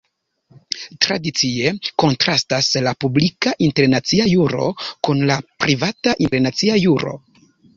Tradicie kontrastas la "publika internacia juro" kun la "privata internacia juro".